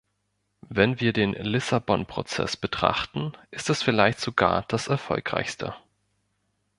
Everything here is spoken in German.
Wenn wir den Lissabon-Prozess betrachten, ist es vielleicht sogar das erfolgreichste.